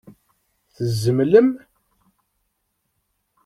Tzemlem?